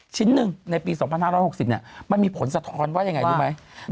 ชิ้นหนึ่งในปี๒๕๖๐มันมีผลสะท้อนว่ายังไงรู้ไหม